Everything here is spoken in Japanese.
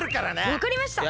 わかりました！